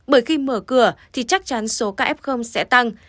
bởi khi mở cửa thì chắc chắn số các f sẽ tăng